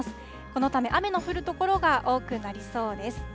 このため、雨の降る所が多くなりそうです。